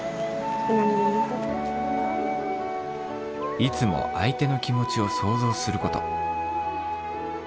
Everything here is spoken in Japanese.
いつもあいての気持ちを想像すること。